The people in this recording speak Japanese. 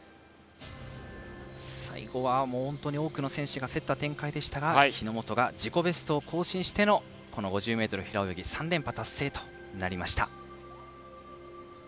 最後は本当に多くの選手が競った展開でしたが日本が自己ベストを更新してのこの５０ｍ平泳ぎ３連覇達成となりました。